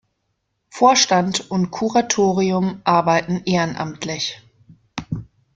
Vorstand und Kuratorium arbeiten ehrenamtlich.